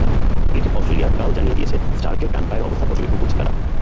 Cricket Australia কাল জানিয়ে দিয়েছে স্টার্কের ডান পায়ের অবস্থা পর্যবেক্ষণ করছে তারা।